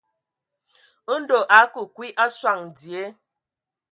Ndɔ a akə kwi a sɔŋ dzie.